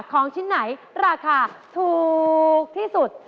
ของชิ้นไหนราคาถูกที่สุด